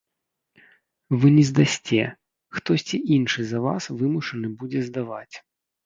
Вы не здасце, хтосьці іншы за вас вымушаны будзе здаваць.